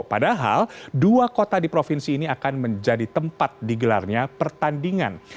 padahal dua kota di provinsi ini akan menjadi tempat digelarnya pertandingan